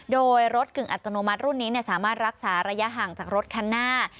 โดยรถกึ่งอัตโนมัติรุ่นนี้สามารถรักษาระยะห่างจากรถคันหน้า